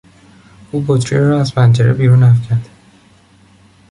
او بطری را از پنجره بیرون افکند.